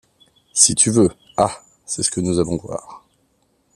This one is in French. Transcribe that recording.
Si tu veux, ah ! c’est ce que nous allons voir !…